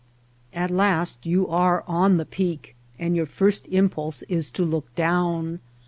At last you are on the peak and your first impulse is to look down.